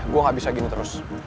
gue gak bisa gini terus